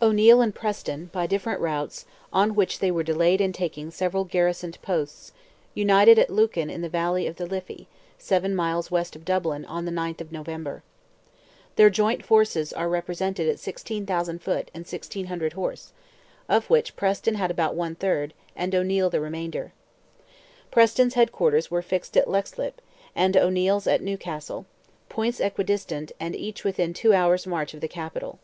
O'Neil and Preston, by different routes, on which they were delayed in taking several garrisoned posts, united at Lucan in the valley of the Liffey, seven miles west of Dublin, on the 9th of November. Their joint forces are represented at 16,000 foot, and 1,600 horse—of which Preston had about one third, and O'Neil the remainder. Preston's head quarters were fixed at Leixlip, and O'Neil's at Newcastle—points equi distant, and each within two hours' march of the capital.